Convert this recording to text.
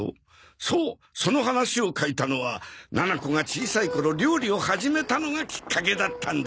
そうその話を書いたのはななこが小さい頃料理を始めたのがきっかけだったんだ。